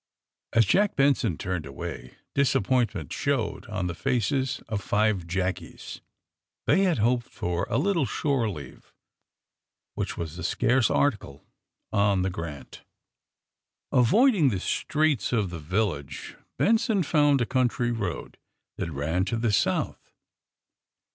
As Jack Benson turned away disappointment showed on the faces of five jackies. They had hoped for a little shore leave, which was a scarce article on the ^^ Grant." 36 THE SUBMAEINE BOYS Avoiding the streets of tlie village Benson found a country road tliat ran to the sonth.